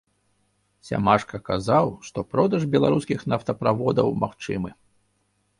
Сямашка казаў, што продаж беларускіх нафтаправодаў магчымы.